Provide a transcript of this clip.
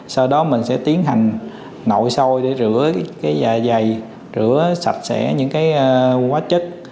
sau đó mình sẽ tiến hành nội sôi để rửa cái dài dày rửa sạch sẽ những cái quá chất